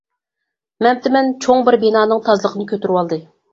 مەمتىمىن چوڭ بىر بىنانىڭ تازىلىقىنى كۆتۈرۈۋالدى.